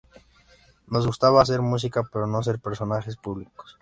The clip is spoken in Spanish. Nos gustaba hacer música pero no ser personajes públicos.